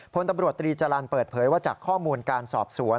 พลตำรวจตรีจรรย์เปิดเผยว่าจากข้อมูลการสอบสวน